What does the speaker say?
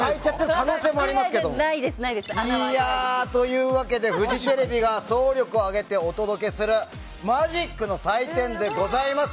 というわけでフジテレビが総力を挙げてお届けするマジックの祭典でございます。